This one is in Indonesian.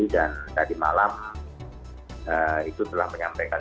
dan tadi malam itu telah menyampaikan